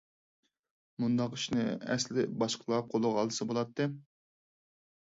مۇنداق ئىشنى ئەسلى باشقىلار قولىغا ئالسا بولاتتى.